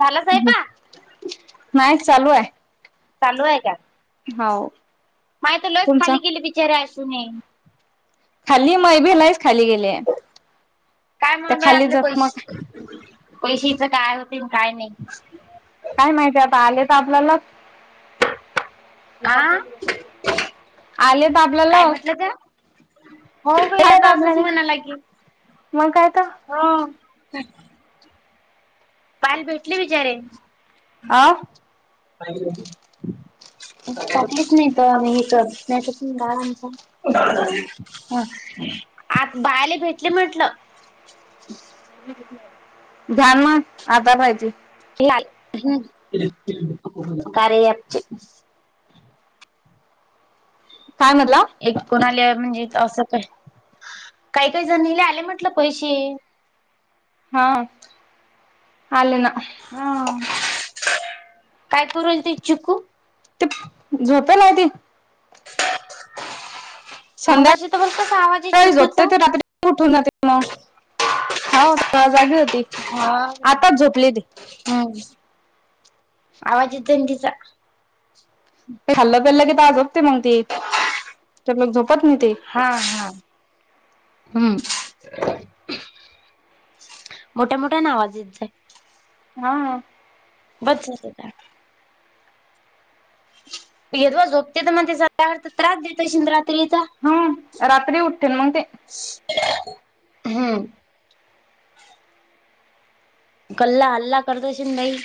झाला स्वयंपाक? नाही चालू आहे चालू आहे का हो माहि तर लस तुमचा खाली गेली बिचारे असून खाली मयभीलाच खाली गेले त्या खाली जत मग पैसेच काय होते काय नाही काय माहिती आता आले तर आपल्याला आ आलेत काय आपल्याला म्हटलं त्या? हो काही येत आता असच आपल्याला म्हणालागेल मग काय तर हो पाल भेटले बिचारे आ ह टाकाहीच नाही तर इथच ग आरामचा ह आता बायला भेटली म्हटलं ध्यान म आता पाहिजे लाल ह् कारच काय म्हटलं एक कोणाले म्हणजे असं काय काही काही जणीले आले म्हटलं पैसे हा आले ना ह काय पुरल त चुकू ते झोपेला आलती संध्या मगाशी तर बघ कसा आवाज आहे वळी चिकूचा. झोपते तर रात्री उठून जाते मग होा जागी होती आताच झोपली ती हम् आवाज येत दििचा खाल्लं गल्लं की आ झोपते मग ते तर लोक झोपत नाही ते हा हा हम्म मोठ्या मोठ्या नावाज येत जा हा बच यदव झोपते तर मग त्याचा त्रास देतशिंद रात्रीचा हम्म रात्री उठते मग ते हम्म कल्ला हल्ला करतश नाहीई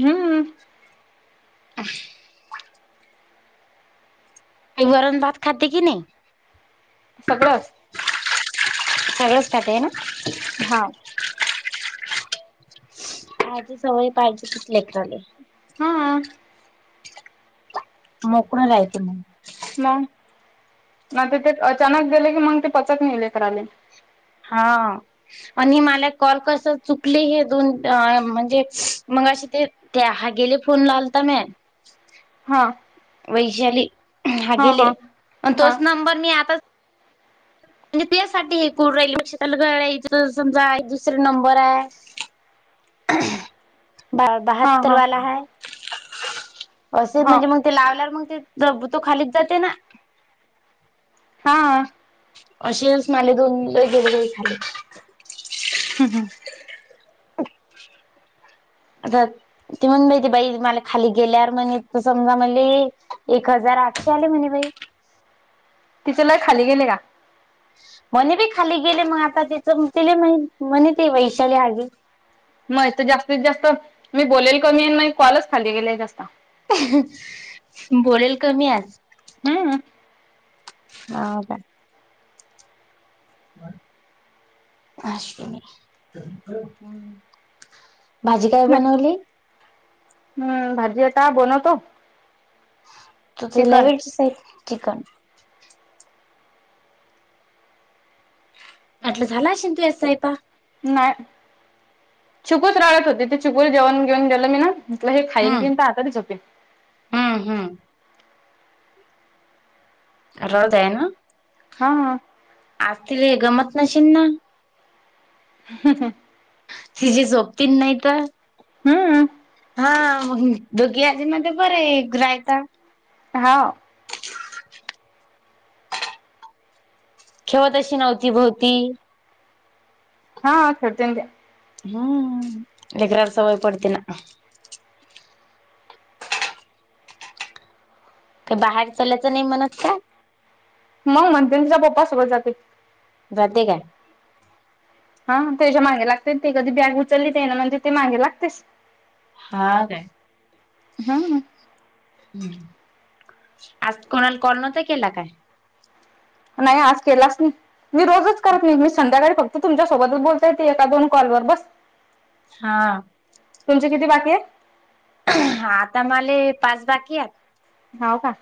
हम्म ह ते गरम भात खात की नाही सगळं असतं सगळंच खातेन हां आजी सवय पाहिजे तच लेट्रले हम्म मोकळ राहयच मग म नाही ते ते अचानक गेले की मग ते पचत नाहीेलेकर आले हा आणि मला कॉल कस चुकले हे दोन म्हणजे मग अ ते ते हा गेले फोन लावलता मॅ हां वैशाली हा गेले प हा तोच नंबर मी आताच म्हणजे त्यासाठी हे कोण रेल्पक्षातला घर आहेथ समजा दुसर नंबर आहे [inaudible] हा बहात्तर वाला हा ह असे म्हणजे मग ते लावल्यावर मग ते ज तो खालीच जाते ना हा असेच माले दोन गेले ग खाली हम् हंम अ त म्हण बाईती बाई मला खाली गेल्यावर म्हणे समजा म्हणले एक हजार आठशे आले म्हणे बाई तिच्याला खाली गेले का? म्हणे बी खाली गेले मग आता तिथ ति म्हणे ते वैशाली आगी मग तर जास्तीत जास्त मी बोलेल कमी आहे मग कॉलच खाली गेले जास्त बोलेल कमी आज हम्म ह का असश म भाजी काय बनवली हम्म भाजी एता बनतो तलेवी चिकन आटलं झाला असेन तू याय प नाही चुकूच राळत होती ते चुकू जेवण घेऊन गेलं मी ना म्हलं हे खाईन हम्म पिन तर आताातच झपेन हम्म हम्म रज आहे ना हा आतील रे गमत नशन ना हम् हम तिझी झोपती नाही तर हम्म. हा दोगी आजी मध्ये पर रयता. होा खेवत अशी नव्हती भोवती हा छडत का हम्म लकार सवय पडतीना का बाहेर चल्यायचं नाही म्हणत का मग मण त्यांच्या पप्पाासोबत जात बध काय हा त्याच्या मागे लागते ते कधी बॅग उचललीत आहे ना म्हणजे ते मागे लागतेस हा काय हम्म. हम् आज कोणाला करणता केला काय नाही आज केलाच नाही मी रोजच करत नाही मी संध्याकाळी करत त तुमच्यासोबतच बोलता येते एकाोन कॉलवर बस हा तुमचे किती बाकी आहे आता मले पाच बाकी आहेत होव का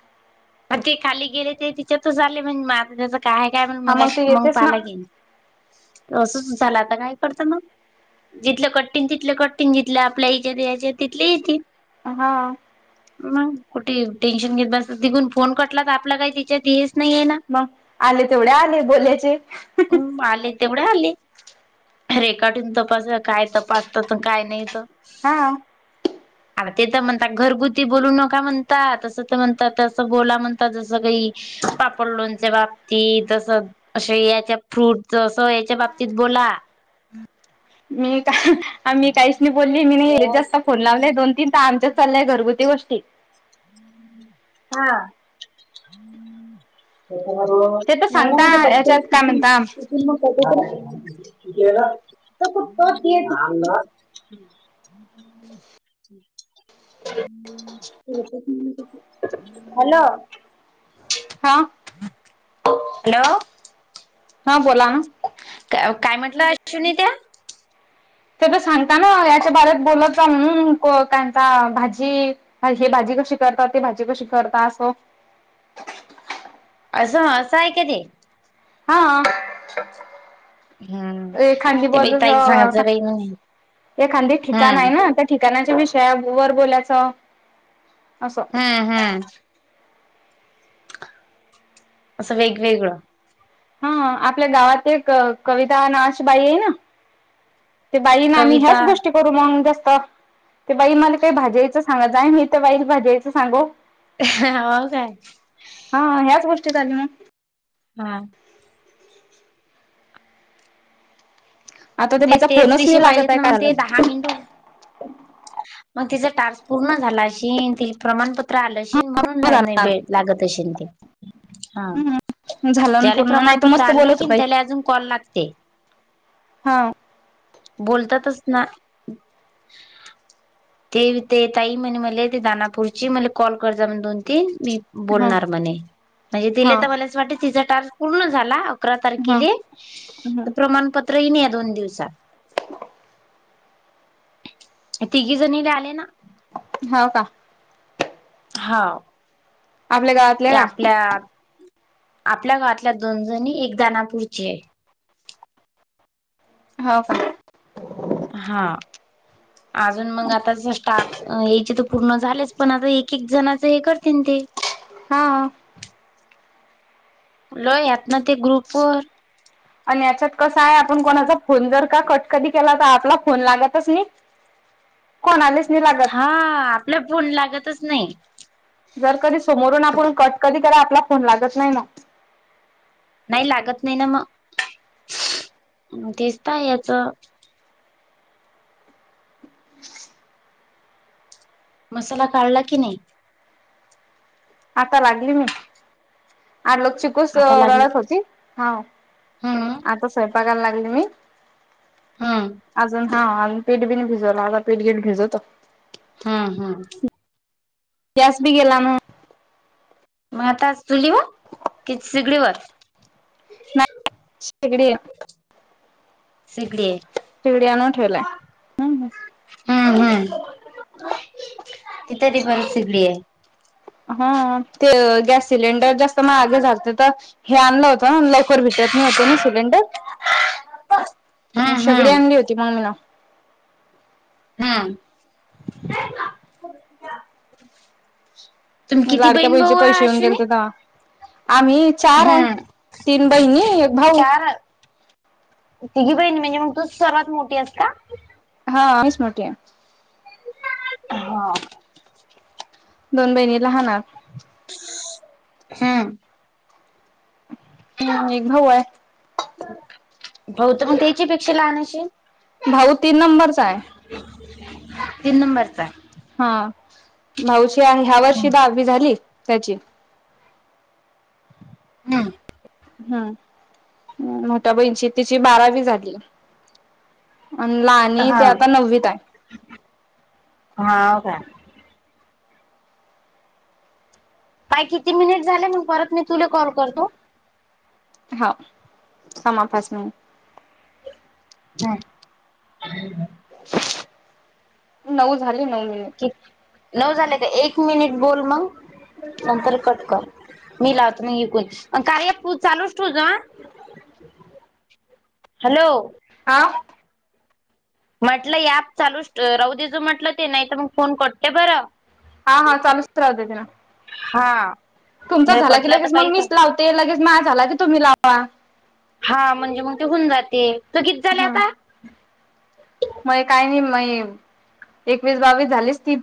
मग ते खाली गेले ते तिच्यातच आले म्हण आता त्याचं काय काय म्हण हा मग ते मग येतेच ना पाहाला गेईल असंच झालं आता काय करतं नाग जिथलं कटिंग तिलं कटिंग जिथलं आपल्या याच्यात याच्या तिले येतील हा मग कुठे टेन्शन घेत बसत तघून फोन कटला तर आपला काही त्यािच्यातच नाहीये ना मग आले तेवढे आले बोलायचे हो आले तेवढे आले रेखा ठेून तपासा काय तपासतात काय नाही तर हा आणि ते तर म्हणतात घरगुती बोलू नका म्हणताात तसं तर म्हणतात तसं बोला म्हणतात जसं काही पापड लोणच्या बाबती तस असे फ्रूट याच्या बाबतीत बोला मी का आ्ी काहीच नाही बोलली मी हा नाही हेच जास्त फोन लावलाय नाही दोन तीन त आमच्या चालय घरगुती गोष्टी हा मड ते तर सांगता माझ प याच्यात काय म्हणता [inaudible] हो तर हॅलो हा हॅलो हा बोला ना काय म्हटलं अश न त्या ते तर सांगता ना याच्या बारत बोलत रा म्हणून त्यांचा भाजी हे भाजी कशी करतात ते भाजी कशी करता असं असं असं आहे का ते हा हम्म एखांदी ते बाई ताई बतस सांगायचं बाई म्हणे एखांदी ठिकाण आहे हम्म ना ठिकाणाच्या विषया वर बोलायचं असं हम्म हम्म असं वेगवेगळं हा आपल्या गावात एक कविता नाच बाई आहे ना ते बाईं आम्ही कविता ह्याच गोष्ट करू मग जास्त ते बाई मला काही भाज्यायचं सांगा जाय मी ते बाई भाजयचं सांगो ह हो काय हा ह्याच गोष्टीत आली ना हा आता ते बचा तेच फोनच विषय नला पाहिजेत जातय ना मग कायला ते दहा मिनिट मग तिचा टार्स् पूर्ण झाला अशी ति प्रमाणपत्र प्रालशीील म्हणून नाही कायला भे लागत असशी ते हा हम्म झालं ना त्याला पूर्ण नाही तर प्रमाणपत्र मस्त आले नाही बोलत कि बाई त्याला अजून कॉल लागते हा बोलतातच ना तेथेतई म्हणे मला ते दानापूरची मला कॉल कर जा म्हण दोन तीन मी हा बोलणार म्हणे म्हणजे तिला हा तर मला अस वाट तिचा टार्स्क पूर्ण झाला अकरा हा तारखेला प्रमाणपत्रही नाही या दोन दिवसात तिघे जणी र आले ना हो का हा आपल्या गावातल्या का आपल्या आपल्या गावातल्या दोन जणी एक दानापूरची आहे हो का हा अजून मग आता स्टाफ याचे तर पूर्ण झालेच पण आता एक एक जणच हे करतीन ते हा लई आत न ते ग्रुप वर आणि याच्यात कसा आहे आपण कोणाचा फोन जर का कट कधी केला तर आपला फोन लागतच नाही कोणालाच नाही लागत हा आपल्या फोन लागतच नाही जर कधी समोरून आपण कट कधी करा आपला फोन लागत नाही ना नाही लागत नाही ना मग तेच त हाय याच मसाला काढला की नाही आता लागली मी आठ [unintelligible] कस आता लागली रडत होती हा हम्म आता स्वयंपाकायला लागली मी हम अजून हा पीठ बीन भिजवला आता पीठ घीट भिजवतो हम हम गॅस बी गेला ना मग आता चुलीवर कि शिगडीवर नाही शेगडी य सीगडी तिकडे आणून ठेवलाय. हाय हम हम [inaudible] [unintelligible] सिगडी हाय हा ते गॅस सिलेंडर जास्त महागे झालते तर हे आणलं होत ना लवकर भेटत नाही होते ना सिलेंडर हम्म शेगडी हम्म आणली होती मग्मीन हम्म [unintelligible] किती लाडक्या बहीण बईचे भाऊ आहे पैसे येऊन गेले अश्विनी ते तवा आम्ही चाराय हम्म तीन बहिणी आणि एक भाऊ चार तिघी बहीण म्हणजे मग तू सर्वात मोठी हयस का हा मीच मोठी आहे हा दोन बहिणी लहान हम्म हम्म एक भाऊ आहे भऊ त मग याच्याई पेक्षा लहान अशील भाऊ तीन नंबरचा आहे तीन नंबरचाय हा भाऊची ह्या वर्षी हम्म दहावी झाली त्याची हम्म हम् मोठ्या बहिणीची तिची बारावी झाली आणि लानाय ती आता नववीताय हाव काय काय किती मिनिट झाले म्हण परत मी तुला कॉल करतो हा थामा पाच मिनिट [unintelligible] नऊ झाले नऊ मिनिट एक नऊ झाले का एक मिनिट बोल मग नंतर कट कर मी लावतो नाही इिकून कार्य चालूच ठो जा [inaudible] हॅलो हा म्हटलंप चालू राऊ दे जू म्हटलं ते नाही तर मग फोन करते बरं हा हा चालूच राहते तिना हा तुमचा नाही झाला की कटला तर लगेच मग काही का मीच लावते लगेच माझ झाला की तुम्ही लावा हा म्हणजे मग ते होऊन जाते तू कती झाले आता म काय नाही म एकवीस बावीस झालीच ती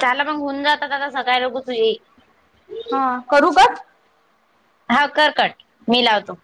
झाला मग होऊन जातात आता सकाळी लोघ तुझे हा करू का हा करकट मी लावतो